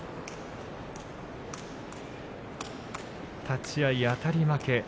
立ち合いあたり負け。